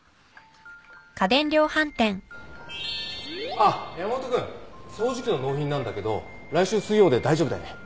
あっ山本君掃除機の納品なんだけど来週水曜で大丈夫だよね？